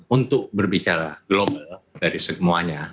untuk berbicara global dari semuanya